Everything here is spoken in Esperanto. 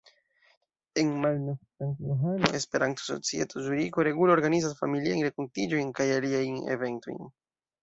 En Malnov-Sankt-Johano Esperanto-Societo Zuriko regule organizas familiajn renkontiĝojn kaj aliajn eventojn.